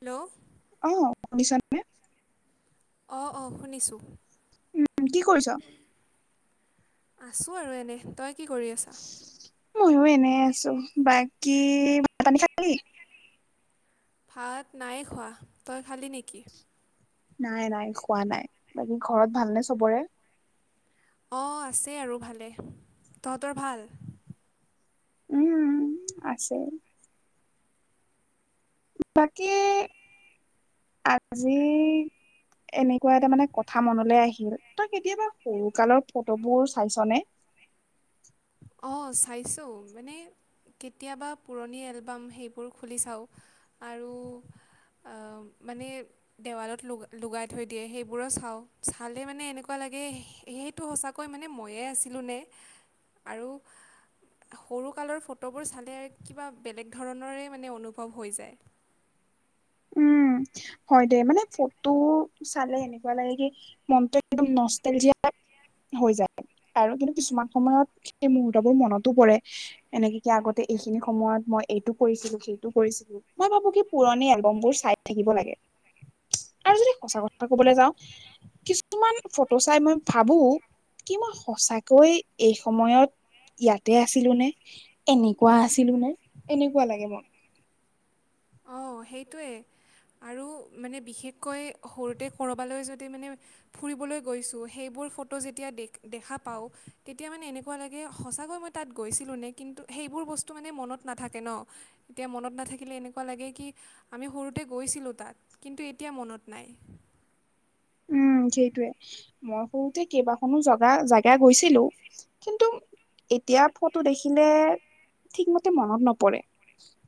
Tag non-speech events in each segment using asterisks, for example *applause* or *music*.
Hello. অ শুনিছানে? অ', অ', শুনিছোঁ। উম, কি কৰিছ? আছোঁ আৰু এনেই, তই কি কৰি আছা? মইয়ো এনেৱে আছোঁ, বাকী ভাত-পানী খালি? ভাত নাই খোৱা, তই খালি নেকি? নাই, নাই খোৱা নাই। বাকী ঘৰত ভালনে চবৰে? অ', আছে আৰু ভালে, তহঁতৰ ভাল? উম, আছে। তাকেই আজি এনেকুৱা এটা মানে কথা মনলৈ আহিল তই কেতিয়াবা সৰু কালৰ ফটোবোৰ চাইছনে? *inaudible* অ', চাইছোঁ মানে কেতিয়াবা পুৰণি এলবাম সেইবোৰ খুলি চাওঁ। আৰু আ, মানে দেৱালত লগাই থৈ দিয়ে, সেইবোৰো চাওঁ চালে মানে এনেকুৱা লাগে মানে সেইটো সঁচাকৈ মানে মইয়ে আছিলোঁ নে আৰু সৰু কালৰ ফটোবোৰ চালে কিবা বেলেগ ধৰণৰে মানে অনুভৱ হৈ যায়। উম। হয় দে মানে ফটো চালে এনেকুৱা লাগে কি মনটো একদম নষ্টেলজিয়া হৈ যায় আৰু কিন্তু কিছুমান সময়ত সেই মুহুৰ্তবোৰ মনতো পৰে এনেকে কি আগত এইখিনি সময়ত মই এইটো কৰিছিলোঁ, সেইটো কৰিছিলোঁ মই ভাবো কি পুৰণি বম বোৰ চাই থাকিব লাগে। আৰু যদি সঁচা কথা কবলৈ যাওঁ কিছুমান ফটো চাই মই ভাবো কি মই সঁচাকৈ এই সময়ত ইয়াতে আছিলোঁ নে, এনেকুৱা আছিলোঁ নে এনেকুৱা লাগে মানে। অ', সেইটোৱে আৰু মানে বিশেষকৈ সৰুতে ক'ৰবালৈ যদি মানে ফুৰিবলৈ গৈছোঁ, সেইবোৰ ফটো যেতিয়া দেখা পাওঁ, তেতিয়া মানে এনেকুৱা লাগে সঁচাকৈ মই তাত গৈছিলোঁ নে কিন্তু সেই সেইবোৰ বস্তু মানে মনত নাথাকে ন এতিয়া মনত নাথাকিলে এনেকুৱা লাগে কি আমি সৰুতে গৈছিলোঁ তাত কিন্তু এতিয়া মনত নাই। উম, সেইটোৱে মই সৰুতে কেইবাখনো জগা- জাগা গৈছিলোঁ কিন্তু এতিয়া ফটো দেখিলে ঠিকমতে মনত নপৰে।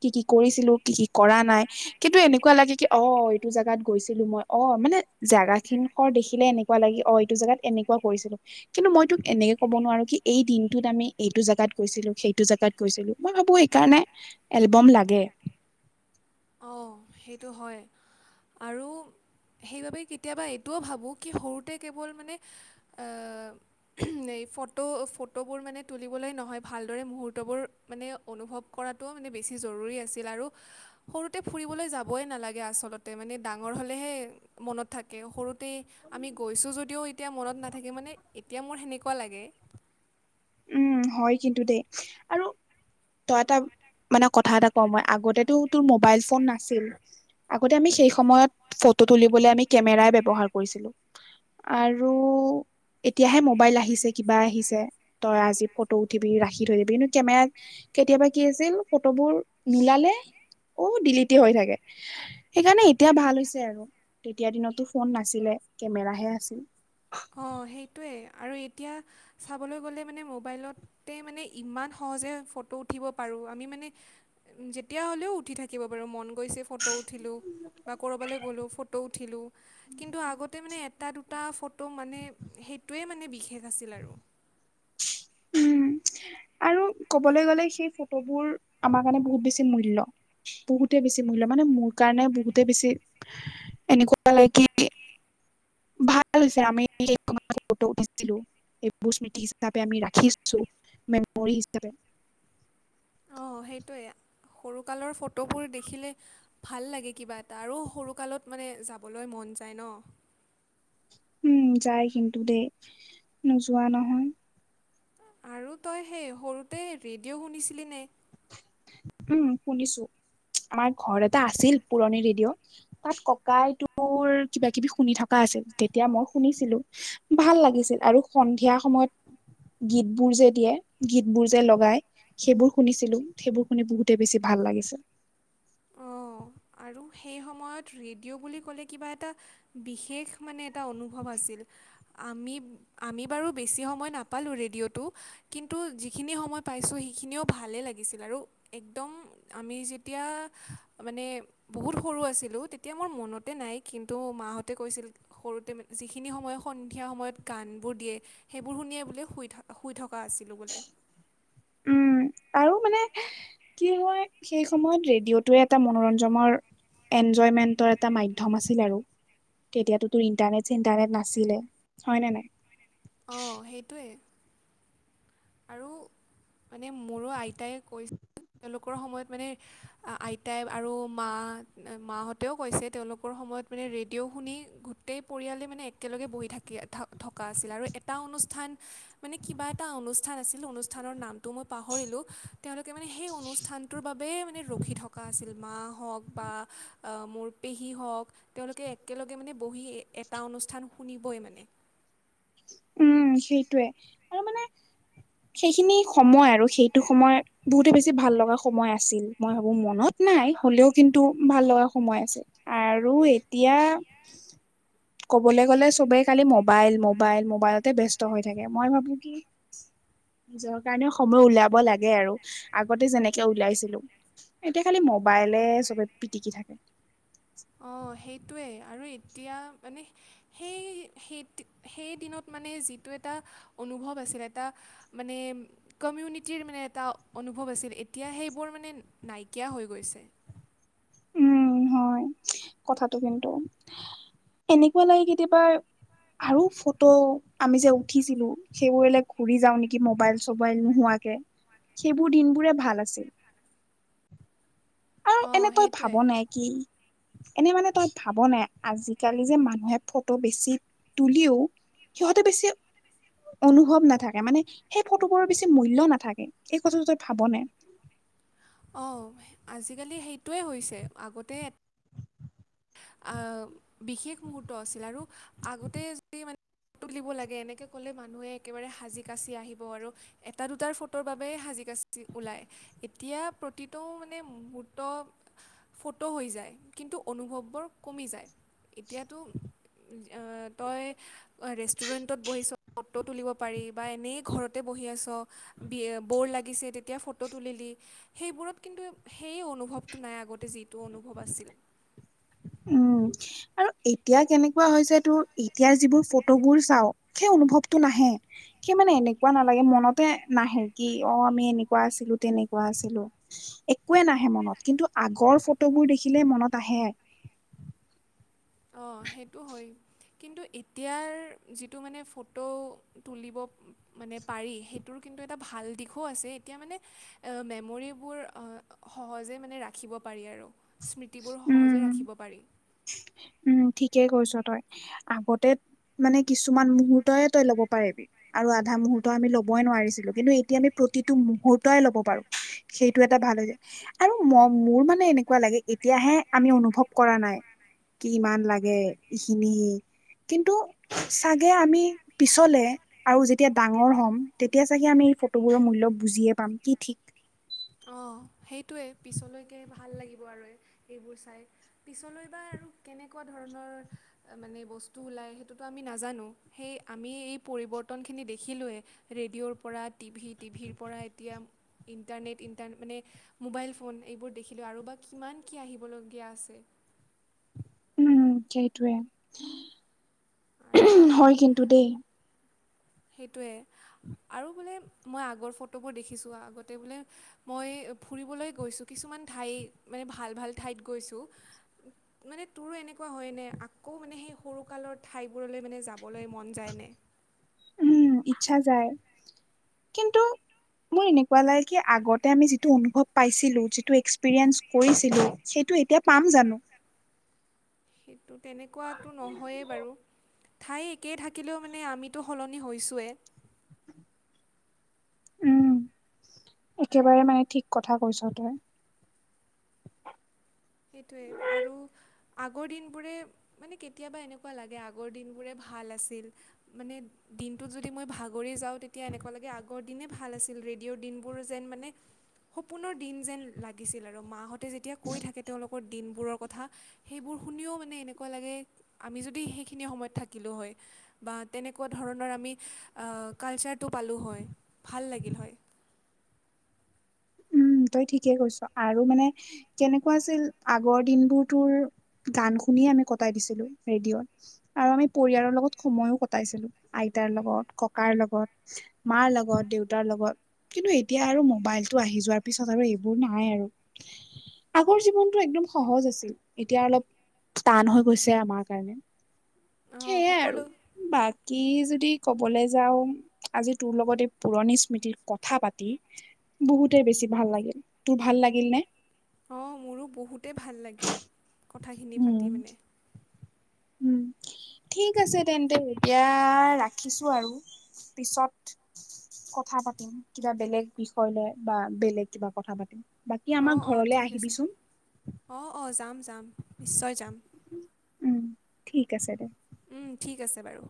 কি, কি কৰিছিলোঁ? কি, কি কৰা নাই কিন্তু এনেকুৱা লাগে কি অ' এইটো জোগাত গৈছিলোঁ মই অ' মানে জেগা ঠিন খৰ দেখিলে এনেকুৱা লাগে অ' এইটো জোগাত এনেকুৱা কৰিছিলোঁ কিন্তু মইতোক এনেকে ক'ব নোৱাৰো কি এই দিন এইটোত আমি এইটো জাগাত গৈছিলোঁ, সেইটো জোগাত গৈছিলোঁ, মই ভাবো সেইকাৰণে এলবম লাগে। *inaudible* অ' সেইটো হয় আৰু সেইবাবে কেতিয়াবা এইটোও ভাবোঁ কি সৰুতে কেৱল মানে এই ফটো ফটোবোৰ মানে তুলিবলৈ নহয় ভালদৰে মুহুৰ্তবোৰ মানে অনুভৱ কৰাতোও মানে বে বেছি জৰুৰী আছিল আৰু সৰুতে ফুৰিবলৈ যাবই নালাগে আচলতে মানে ডাঙৰ হ'লেহে মনত থাকে সৰুত মানে আমি গৈছোঁ যদিও এতিয়া মনত নাথাকে, মানে এতিয়া মোৰ সেনেকুৱা লাগে। উম' হয় কিন্তু দেই আৰু তই এটা মানে কথা এটা কওঁ মই আগতেটো তোৰ মোবাইল ফোন নাছিল আগতে অমি সেই সময়ত ফ ফটো তুলিবলৈ আমি কেমেৰাই ব্যৱহাৰ কৰিছিলোঁ। আৰু এতিয়াহে মোবাইল আহিছে কিবা আহিছে তই আজি ফটো উঠিবি ৰাখি থৈ দিবি কিন্তু কেমেৰাত কেতিয়াবা কি আছিল ফটোবোৰ নোলালে অ' দিলিটে হৈ থাকে সেইকাৰণে এতিয়া ভাল হৈছে আৰু তেতিয়া দিনতটো ফোন নাছিলে কেমেৰাহে আছিল। সেইটোৱেই আৰু এতিয়া চাবলৈ গ'লে মানে মোবাইলতে মানে ইমান সহজে ফ উঠিব পাৰোঁ, আমি মানে যেতিয়া হলেও উঠি থাকিব পাৰোঁ মন গৈছে ফটো উঠিলোঁ বা ক'ৰবালে গ'লে ফটো উঠিলোঁ, কিন্তু আগতে মানে এটা দুটা মানে সেইটোৱে মানে বিশেষ আছিল আৰু *unintelligible* আৰু কবলৈ গ'লে সেই ফটোবোৰ আমাৰ কাৰণে বহুত বেছি মূল্য বহুতে বেছি মূ মানে মোৰ কাৰণে বহুতে বেছি এনেকুৱা লাগে কি ভাল হৈছে আমি *unintelligible* ফটো উঠিছিলোঁ এইবোৰ স্মৃতি হিচাপে আমি ৰাখিছোঁ, মেমৰি হিচাপে অ' সেইটোৱে সৰুকালৰ ফটোবোৰ দেখিলে ভাল লাগে কিবা এটা আৰু সৰুকালত মানে যাবলৈ মন *unintelligible* যায় ন'। উম' যায় কিন্তু দেই নোযোৱা নহয়। আৰু তই সেই সৰুতে ৰেডিঅ' শুনিছিলি নে? উম, শুনিছোঁ। আমাৰ ঘৰ এটা আছিল পুৰণি ৰেডিঅ' তাত ককাই তোৰ কিবা কিবি শুনি থকা যেতিয়া মই শুনিছিলোঁ ভাল লাগিছিল আৰু সন্ধিয়া সময়ত গীতবোৰ যে দিয়ে গীতবোৰ যে লগাই সেইবোৰ শুনিছ *unintelligible* সেইবোৰ শুনি বহুতে বেছি ভাল লাগিছিল। অ'। আৰু সেই সময়ত ৰেডিঅ' বুলি কলে কিবা এটা বিশেষ মানে এটা অনুভৱ আছিল। আমি আমি বাৰু বেছি সময় নাপালো ৰেডিঅ'টো কিন্তু যিখিনি সময় মই পাইছোঁ সেইখিনিও ভালেই লাগিছিল আৰু একদম আমি যেতিয়া মানে বহুত সৰু আছিলোঁ তেতিয়া মোৰ মনতে নাই কিন্তু মাহঁতে কৈছিল সৰু সৰুতে মানে যিখিনি সময় সন্ধিয়া সময়ত গানবোৰ দিয়ে সেইবোৰ শুনিয়ে বোলে শুই থকা শুই থকা *unintelligible* আছিলোঁ বোলে। উম, আৰু মানে কি হয় সেই সময়ত ৰেডিঅ'টোৱে এটা মনোৰঞ্জনৰ এনজয়মেণ্টৰ এটা মাধ্যম আছিল আৰু। তেতিয়াতো তোৰ ইণ্টাৰনেট চিনটাৰনেট নাছিলে হয় নে নাই। অ' সেইটোৱে। আৰু *inaudible* মানে মোৰো আইতাই কৈ তেওঁলোকৰ সময়ত মানে আ আইতাই আৰু মা মাহঁতেও কৈছে তেওঁলোকৰ সময়ত মানে ৰেডিঅ' শুনি গোটেই পৰিয়ালে মানে একেলগে বহি থাকি থ-থকা আছিল আৰু এটা অনু *unintelligible* মানে কিবা এটা অনু *unintelligible* অনুস্থানৰ নামটো ম‌ই পাহৰিলোঁ তেওঁলোকে মানে সেই অনুষ্ঠানটোৰ বা *unintelligible* ৰখি থকা আছিল মা হ‌ওঁক বা মোৰ পেহী হওঁক তেওঁলোকে একে একেলগে মানে বহি এটা অনুষ্ঠান শুনিবই মানে। উম, সেইটোয়ে আৰু আৰু মানে সেইখিনি সময় আৰু সেইটো সময় বহুতে বেছি ভাল লগা সময় আছিল মই ভাবোঁ মনত। নাই হ'লেও কিন্তু ভাল লগা সময় আছে আৰু এতিয়া। ক'বলৈ গ'লে চবেই খালি মবাইল মবাইল মবাইলতে ব্যস্ত হৈ থাকে মই ভাবো কি। নিজৰ কাৰণে সময় উলিয়াব লাগে আৰু আগতে যেনেকে উলিয়াইছিলোঁ এতিয়া খালি ম বাইলে চবে পিটিকি থাকে। অঁ সেইটোৱে আৰু এতিয়া মানে সেই সেই সেই দিনত মানে যিটো এটা *unintelligible* অনুভৱ আছিল এটা মানে কমিউনিটৰ মানে এটা অনুভৱ আছিল এতিয়া সেইবোৰ মানে *unintelligible* নাইকিয়া হৈ গৈছে। উম, হয় কথাটো কিন্তু। এনেকুৱা লাগে কেতিয়াবা আৰু ফটো আমি যে উঠিছিলোঁ সেইবোৰলে ঘুৰি যাওঁ নেকি মোবাইল চবাইল নোহোৱা কে সেইবোৰ দিনবোৰে ভাল আছিল। এ অঁ এনে তই ভাব সেইটোৱে নাই কি এনে মানে তই ভাব নাই আজিকালি যে মানুহে ফটো বেছি তুলিও সিহঁতে বেছি অনুভৱ নাথাকে মানে সেই ফটোবোৰৰ বেছি মূল্য নাথাকে সেই কথাটো তই ভাবোনে। *inaudible* অ' আজিকালি সেইটোৱে হৈছে আগতে অ' বিশেষ মুহূৰ্ত আছিল আৰু আগতে যদি ফটো *inaudible* তুলিব লাগে এনেকে ক'লে মানুহে একেবাৰে সাজি কাচি আহিব আৰু এটা দুটাৰ ফটোৰ বাবে সাজি কাচি ওলাই এতিয়া প্ৰতিটো মানে মুহূৰ্ত ফটো হৈ যায় কিন্তু অনুভৱবোৰ কমি যায় এতিয়াতো *inaudible* চবে ৰেষ্টুৰেণ্টত বহি চব ফটো তুলিব পাৰি বা এনেই ঘৰতে বহি আছ বি ব'ৰ লাগিছে তেতিয়া ফটো তুলিলি সেইবোৰত কিন্তু সেইয় অনুভৱটো নাই আগতে যিটো অনুভৱ আছিল। উম আৰু এতিয়া কেনেকুৱা হৈছে তোৰ এতিয়া যিবোৰ ফটোবোৰ চাও সেই অনুভৱটো নাহে সে মানে এনেকুৱা নালাগে মনতে নাহে কি অ আমি এনেকুৱা আছিলো তেনে এনেকুৱা আছিলো একোৱে নাহে মনত কিন্তু আগৰ ফটোবোৰ দেখিলে মনত আহে অ', সেইটো হয় কিন্তু এতিয়াৰ যিটো মানে ফটো তুলিব মানে পাৰি সেইটোৰ কিন্তু- - ভাল দিশো আছে এতিয়া মানে মেমোৰিবোৰ অ সজে মানে ৰাখিব পাৰি। *unintelligible* স্মৃতিবোৰ সহজে উম ৰাখিব পাৰি। উম ঠিকেই কৈছ তই আগতে মানে কিছুমান মুহুৰ্তয়ে তই ল'ব পাৰিবি আৰু আধা মুহুৰ্ত আমি ল'বই নোৱাৰিছিলো কিন্তু এতিয়া আমি প্ৰতিটো মুহুৰ্তই লব পাৰো সেইটো এটা ভাল হৈ যায় আৰু ম -মোৰ মানে এনেকুৱা লাগে তেতিয়াহে আমি অনুভৱ কৰা নাই কি ইমান লাগে ইখিনি কিন্তু চাগে আমি পিছলে আৰু যেতিয়া ডাঙৰ হ'ম তেতিয়া চাগে আমি ফটোবোৰৰ মূল্য বুজি এই পাম কি ঠিক। সেইটোয়ে পিছলৈকে ভাল লাগিব আৰু এইবোৰ চাই পিছলৈ বা আৰু কেনেকুৱা- - ধৰণৰ মানে বস্তু ওলাই সেইটোতো আমি নাজানো সেই আমি এই পৰিৱৰ্তনখিনিত- - দেখিল ৰেডিঅ'ৰ পৰা টি ভি টিভিৰ পৰা এতিয়া ইণ্টাৰনেট মানে ম'বাইল ফোন এইবোৰ দেখিলোঁ আৰু বা কিমান কি আহিবলগীয়া আছে উম সেইটোৱে আৰু হয় কিন্তু দেই সেইটোৱে আৰু বোলে মই আগৰ ফটোবোৰ দেখিছো আগতে বোলে মই ফুৰিবলৈ গৈছো কিছুমান ঠ ম ভাল ভাল ঠত গৈছ মানে তোৰো এনেকুৱা হয় আকৌ ম সেই সৰুকালৰ ঠাইবোৰলৈ মানে যাবলৈ মন যায়নে উ ইচ্ছা যায় কিন্তু এনেকুৱা আগতে এতিয়া পাম জানো সেইটো তেনেকুৱো নহয়েই বাৰু ঠাই একেই থাকিলেও মানে আমিতো সলনি হৈছঁৱেই উম একেবাৰে মানে ঠিক কথা কৈছ তই সেইটোয়ে আৰু আগৰ দিনবোৰে মানে কেতিয়াবা এনেকুৱা লাগে আগৰ দিন বোৰে ভাল ভাল আছিল মানে দিনটোত যদি মই ভাগৰি যাওঁ তেতিয়া এনেকুৱা লাগে আগৰ দিনেই ভাল আছিল ৰেডিঅৰ দিনবোৰ যে মান সপ দ যে লাগ আৰু মতে যেতিয়া কৈ থাকে *inaudible* বা তেনেকুৱা ধৰণৰ আমি কালচাৰটো পালোঁ হয় ভাল লাগিল হয় উম, তই ঠিকেই কৈছ আৰু মানে কেনেকুৱা আছিল আগৰ দিনবোৰ তোৰ গান শুনি কটাই দিছিলো ৰেডিঅ'ত আৰু আমি পৰিয়ালৰ লগত সময়ো কটাইছিলো আইতাৰ লগত ককাৰ লগত মাৰ লগত দেউতাৰ লগত কিন্তু এতিয়া আৰু মোবাইল টো আহি যোৱাৰ পিছত আৰু এইবোৰ নাই আৰু আগৰ জীৱনতটো একদম সহজ আছিল এতিয়া অলপ টান হৈ গৈছে আমাৰ কাৰণে অঁ সেইয়াই আৰু সকলো বাাক কি যদি ক'বলৈ যাওঁ আজি তোৰ লগত এই পুৰণি স্মৃতিৰ কথা পাতি বহুতে বেছি ভাল লাগিল তোৰ ভাল লাগিল নে? অ', মোৰো বহুতেই ভাল লাগিল কথাখিনি উম পাতি মানে উম, ঠিক আছে তেন্তে এতিয়া ৰাখিছোঁ আৰু, পিছত কথা পাতিম ল, কিবা বেলেগ বিষয় লৈ বা বেলেগ কিবা কথা পাতিম। বাকী অ, আমাৰ অ, ঘৰলে ঠিক আছে আহিবিচোন অ, অ, যাম যাম নিশ্চয় যাম। উম ঠিক আছে দে। উম, ঠিক আছে বাৰু।